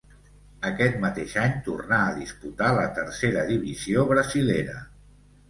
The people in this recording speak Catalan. Aquest mateix any tornà a disputar la tercera divisió brasilera.